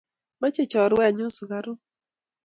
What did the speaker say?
Mache chorwenyu sugaruk